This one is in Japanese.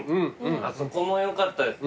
あそこもよかったです。